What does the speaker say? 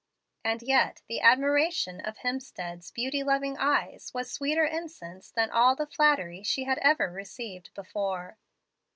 And yet the admiration of Hemstead's beauty loving eyes was sweeter incense than all the flattery she had ever received before.